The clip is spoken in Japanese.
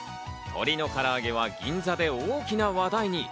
鶏の唐揚げは銀座で大きな話題に。